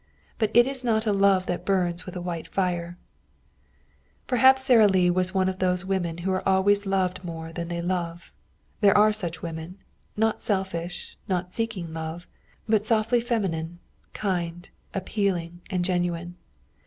But it is not a love that burns with a white fire. Perhaps Sara Lee was one of those women who are always loved more than they love. There are such women, not selfish, not seeking love, but softly feminine, kind, appealing and genuine.